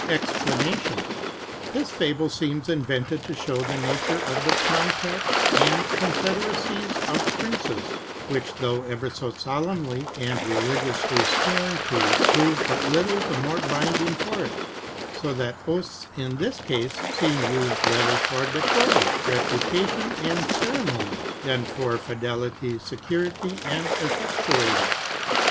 EXPLANATION.—This fable seems invented to show the nature of the compacts and confederacies of princes; which, though ever so solemnly and religiously sworn to, prove but little the more binding for it: so that oaths, in this case, seem used rather for decorum, reputation, and ceremony, than for fidelity, security, and effectuating.